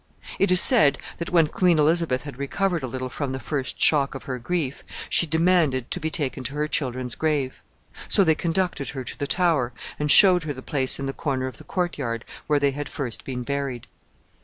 It is said that when Queen Elizabeth had recovered a little from the first shock of her grief, she demanded to be taken to her children's grave. So they conducted her to the Tower, and showed her the place in the corner of the court yard where they had first been buried.